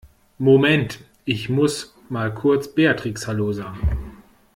Moment, ich muss mal kurz Beatrix Hallo sagen.